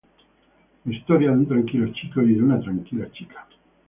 La historia de un tranquilo chico y una tranquila chica.